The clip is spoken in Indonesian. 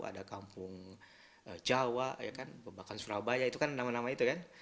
ada kampung jawa bahkan surabaya itu kan nama nama itu kan